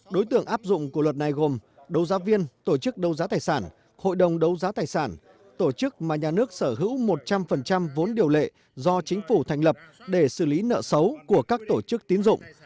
đối tượng áp dụng của luật này gồm đấu giá viên tổ chức đấu giá tài sản hội đồng đấu giá tài sản tổ chức mà nhà nước sở hữu một trăm linh vốn điều lệ do chính phủ thành lập để xử lý nợ xấu của các tổ chức tiến dụng